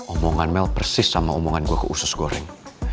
omongan mel persis sama omongan gue ke usus goreng